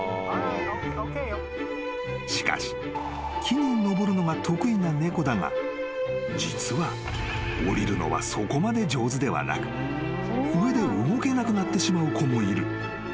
［しかし木に登るのが得意な猫だが実は下りるのはそこまで上手ではなく上で動けなくなってしまう子もいる］